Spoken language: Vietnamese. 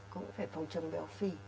cũng phải phòng trồng béo phì